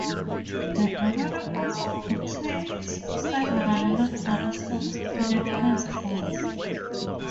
The arena also contains several luxury suites and a press box.